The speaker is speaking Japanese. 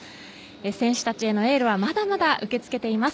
選手たちへのエールはまだまだ受け付けています。